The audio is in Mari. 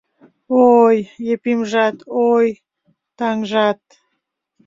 Ой, Епимжат, ой, таҥжат!